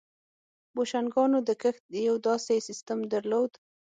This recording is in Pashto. بوشنګانو د کښت یو داسې سیستم درلود